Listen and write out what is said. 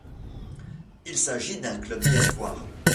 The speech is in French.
Il s'agit d'un club d'espoirs.